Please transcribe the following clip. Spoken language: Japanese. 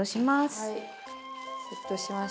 はい。